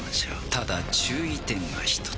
ただ注意点が一つ。